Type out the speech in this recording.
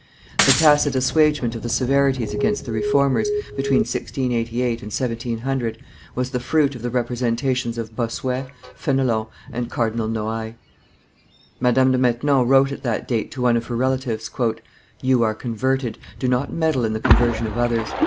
The tacit assuagement of the severities against the Reformers, between 1688 and 1700, was the fruit of the representations of Bossuet, Fenelon, and Cardinal Noailles. Madame de Maintenon wrote at that date to one of her relatives, "You are converted; do not meddle in the conversion of others.